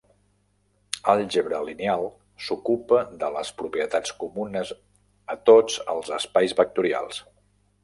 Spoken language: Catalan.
Àlgebra lineal s'ocupa de les propietats comunes a tots els espais vectorials.